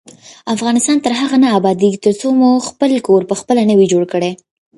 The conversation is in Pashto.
افغانستان تر هغو نه ابادیږي، ترڅو موږ خپل کور پخپله نه وي جوړ کړی.